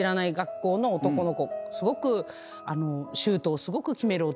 すごくシュートをすごく決める男の子で。